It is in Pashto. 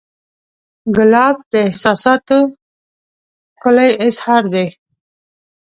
ګلاب د احساساتو ښکلی اظهار دی.